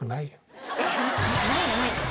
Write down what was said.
ないよないよ。